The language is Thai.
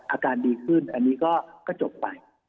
อาการดีขึ้นก็จบไป